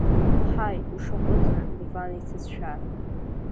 Ҳаи, ушаҟәыҵра, Леван иҭыӡшәа!